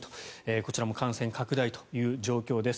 こちらも感染拡大という状況です。